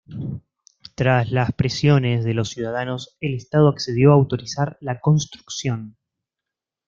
Tras las presiones de los ciudadanos el estado accedió a autorizar la construcción.